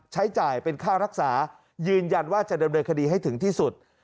ใช้จ่ายเป็นค่ารักษายืนยันว่าจะดำเนินคดีให้ถึงที่สุด